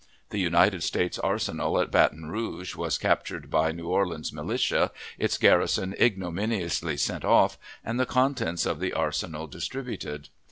The United States Arsenal at Baton Rouge was captured by New Orleans militia, its garrison ignominiously sent off, and the contents of the arsenal distributed.